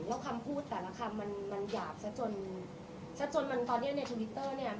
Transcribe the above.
แล้วคำพูดแต่ละคำมันมันหยาบซะจนซะจนมันตอนนี้ในทวิตเตอร์เนี่ย